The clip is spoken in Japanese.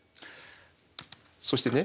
そしてね。